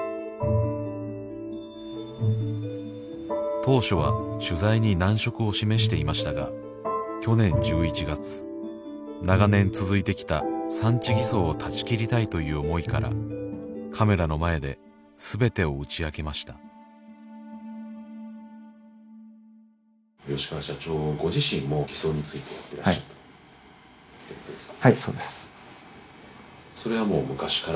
当初は取材に難色を示していましたが去年１１月長年続いてきた産地偽装を断ち切りたいという思いからカメラの前で全てを打ち明けました「ずーっと」っていうことですね？